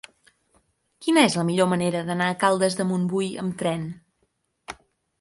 Quina és la millor manera d'anar a Caldes de Montbui amb tren?